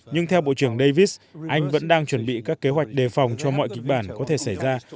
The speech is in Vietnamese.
nhưng theo bộ trưởng davis anh vẫn đang chuẩn bị các kế hoạch đề phòng cho mọi kịch bản có thể xảy ra